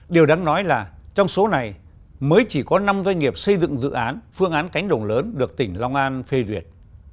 điều đáng nói là trong số này mới chỉ có năm doanh nghiệp xây dựng dự án phương án cánh đồng lớn được tỉnh long an phê duyệt